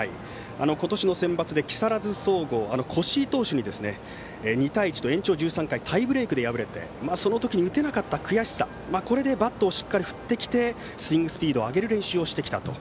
今年のセンバツで木更津総合の投手に２対１と延長１３回タイブレークで敗れてその時に打てなかった悔しさこれでバットをしっかり振ってきてスイングスピードを上げる練習をしてきたと。